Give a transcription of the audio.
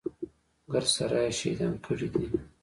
ګرد سره يې شهيدان کړي دي.